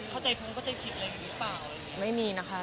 เข้าใจพร้อมเข้าใจผิดอะไรหรือเปล่า